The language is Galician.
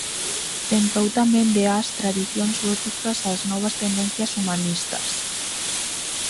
Tentou tamén de ás tradicións góticas as novas tendencias humanistas.